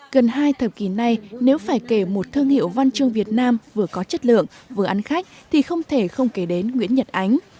gần hai thập kỷ này nếu phải kể một thương hiệu văn chương việt nam vừa có chất lượng vừa ăn khách thì không thể không kể đến nguyễn nhật ánh